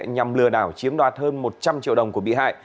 nhằm lừa đảo chiếm đoạt hơn một trăm linh triệu đồng của bị hại